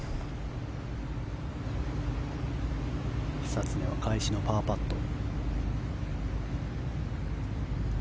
久常は返しのパーパット。